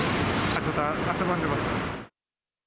ちょっと汗ばんでます。